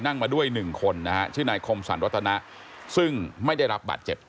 นั่งมาด้วย๑คนชื่อนายคมสรรวษณะซึ่งไม่ได้รับบาดเจ็บ